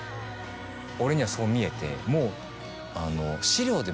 俺にはそう見えてもう。